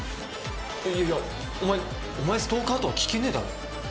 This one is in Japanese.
いやいや「お前お前ストーカー？」とは聞けねえだろ。